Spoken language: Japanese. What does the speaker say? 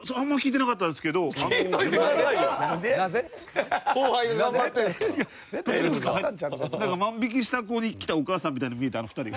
なんか万引きした子に来たお母さんみたいに見えてあの２人が。